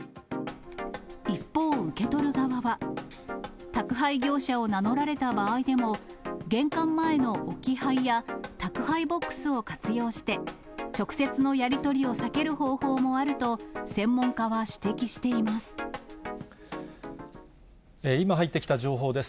一方、受け取る側は、宅配業者を名乗られた場合でも、玄関前の置き配や、宅配ボックスを活用して、直接のやり取りを避ける方法もあると、今入ってきた情報です。